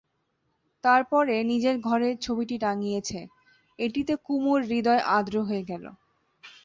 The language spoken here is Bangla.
তার পরে নিজের ঘরে ছবিটি টাঙিয়েছে, এইটেতে কুমুর হৃদয় আর্দ্র হয়ে গেল।